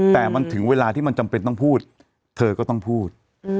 แต่มันถึงเวลาที่มันจำเป็นต้องพูดเธอก็ต้องพูด